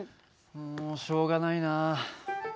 もうしょうがないな。